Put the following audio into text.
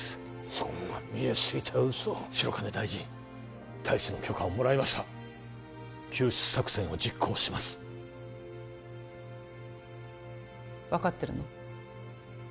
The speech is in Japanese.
そんな見え透いた嘘を白金大臣大使の許可をもらいました救出作戦を実行します分かってるの？